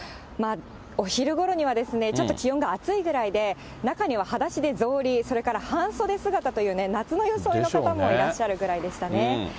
お昼ごろには、ちょっと気温が暑いぐらいで、中にははだしで草履、それから半袖姿というね、夏の装いの方もいらっしゃるぐらいでしたね。